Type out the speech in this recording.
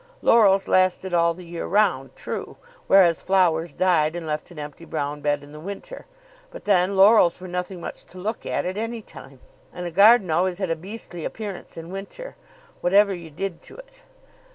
Laurels lasted all the year round, true, whereas flowers died and left an empty brown bed in the winter, but then laurels were nothing much to look at at any time, and a garden always had a beastly appearance in winter, whatever you did to it.